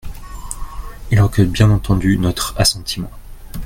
Il recueille bien entendu notre assentiment.